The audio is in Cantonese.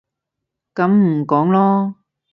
噉唔講囉